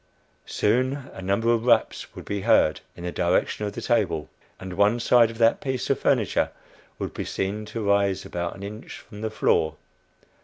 Soon a number of raps would be heard in the direction of the table, and one side of that piece of furniture would be seen to rise about an inch from the floor.